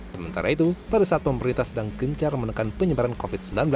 sementara itu pada saat pemerintah sedang gencar menekan penyebaran covid sembilan belas